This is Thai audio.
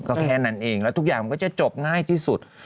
ก็แค่นั้นเองแล้วทุกอย่างมันก็จะจบง่ายที่สุด